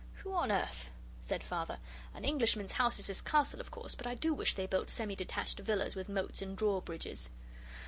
"Who on earth!" said Father. "An Englishman's house is his castle, of course, but I do wish they built semi detached villas with moats and drawbridges."